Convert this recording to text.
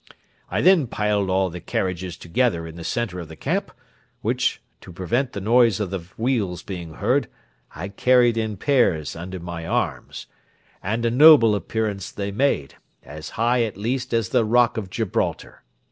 I then piled all the carriages together in the centre of the camp, which, to prevent the noise of the wheels being heard, I carried in pairs under my arms; and a noble appearance they made, as high at least as the rock of Gibraltar.